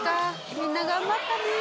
みんな頑張ったね。